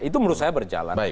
itu menurut saya berjalan